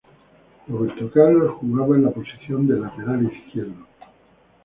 Roberto Carlos jugaba en la posición de lateral izquierdo.